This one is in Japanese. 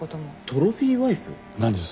トロフィーワイフ？なんです？